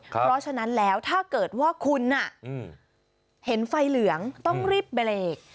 เพราะฉะนั้นแล้วถ้าเกิดว่าคุณเห็นไฟเหลืองต้องรีบเบรก